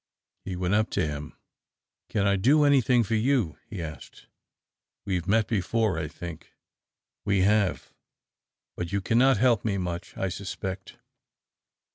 He went up to him. "Can I do any thing for you?" he asked. "We have met before, I think?" "We have; but you cannot help me much, I suspect.